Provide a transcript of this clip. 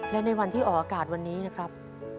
และในวันที่ออกอากาศวันนี้นะครับ